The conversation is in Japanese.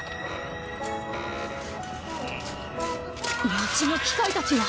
町の機械たちが。